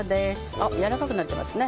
あっやわらかくなってますね。